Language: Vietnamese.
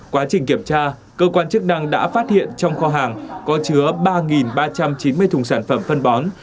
quá trình kiểm tra cơ quan chức năng đã phát hiện trong kho hàng có chứa ba ba trăm chín mươi thùng sản phẩm phân bón